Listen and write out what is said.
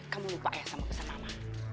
kamu lupa ya sama sama sama mama